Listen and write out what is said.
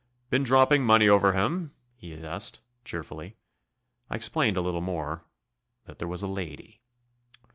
"Been dropping money over him?" he asked, cheerfully. I explained a little more that there was a lady.